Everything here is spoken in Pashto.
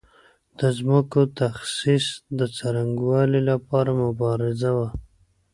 د ځمکو د تخصیص د څرنګوالي لپاره مبارزه وه.